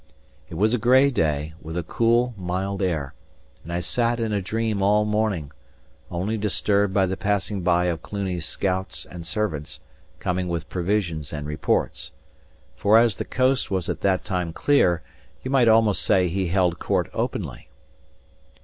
It was a grey day with a cool, mild air: and I sat in a dream all morning, only disturbed by the passing by of Cluny's scouts and servants coming with provisions and reports; for as the coast was at that time clear, you might almost say he held court openly.